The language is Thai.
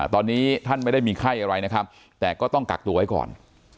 ตอนนี้ท่านไม่ได้มีไข้อะไรนะครับแต่ก็ต้องกักตัวไว้ก่อน